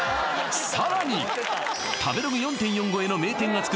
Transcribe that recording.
さらに食べログ４．４超えの名店が作る